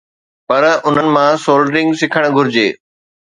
پر انهن مان سولڊرنگ سکڻ گهرجي.